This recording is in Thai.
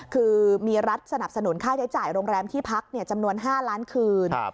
คือมีรัฐสนับสนุนค่าใช้จ่ายโรงแรมที่พักจำนวน๕ล้านคืน